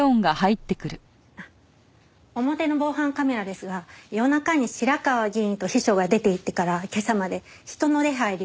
あっ表の防犯カメラですが夜中に白河議員と秘書が出ていってから今朝まで人の出入りはありませんでした。